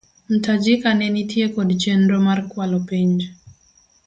Mtajika ne nitie kod chenro mar kwalo penj.